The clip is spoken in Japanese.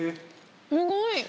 すごい。